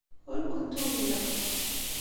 Ur kent-ugiɣ.